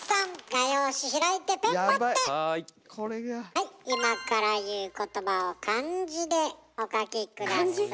はい今から言う言葉を漢字でお書き下さい。